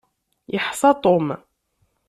Iḥsa Tom.